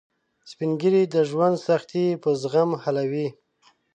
سپین ږیری د ژوند سختۍ په زغم حلوي